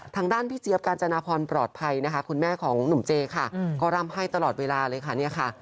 ทางด้านพี่เจี๊ยบกาญจนาพรปลอดภัยนะคะคุณแม่ของหนุ่มเจค่ะก็ร่ำให้ตลอดเวลาเลยค่ะเนี่ยค่ะ